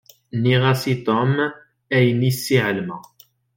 Nniɣ-as i Tom ayen iss i εelmeɣ.